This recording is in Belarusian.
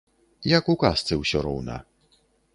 Як у казцы ўсё роўна.